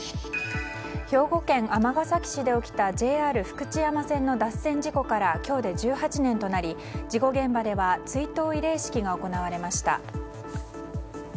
兵庫県尼崎市で起きたＪＲ福知山線の脱線事故から今日で１８年となり事故現場では追悼慰霊式が行われました。